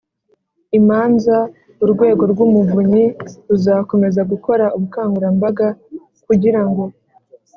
imanza Urwego rw Umuvunyi ruzakomeza gukora ubukangurambaga kugira ngo